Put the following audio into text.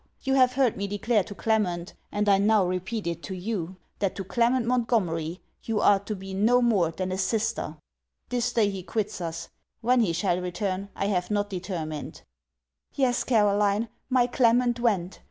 You have heard me declare to Clement, and I now repeat it to you, that to Clement Montgomery you are to be no more than a sister.' This day he quits us. When he shall return, I have not determined.' Yes, Caroline, my Clement went.